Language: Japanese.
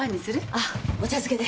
あお茶漬けで。